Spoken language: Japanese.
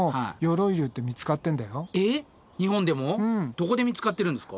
どこで見つかってるんですか？